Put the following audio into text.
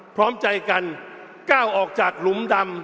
พร้อมใจกันก้าวออกจากหลุมดำ